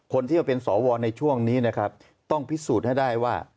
คนที่จะเป็นสวในช่วงนี้นะครับต้องพิสูจน์ให้ได้ว่า